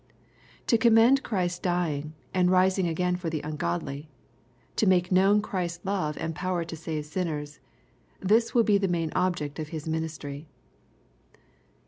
To commend Christ dying, and rising again for the ungodly, — to make kaown Christ's love and power to save sinners, — ^this will be the main object of his ministry.